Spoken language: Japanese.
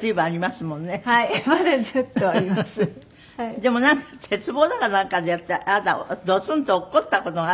でもなんか鉄棒だかなんかでやったらあなたドスンと落っこちた事があるんですって？